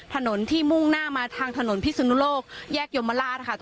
ถนนที่มุ่งหน้ามาทางถนนพิศนุโลกแยกยมราชค่ะ